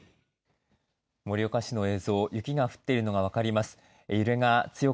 盛岡市の映像、雪が降っているのが分かります。